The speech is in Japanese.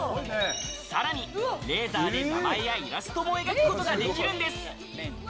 さらにレーザーで名前やイラストも描くことができるんです。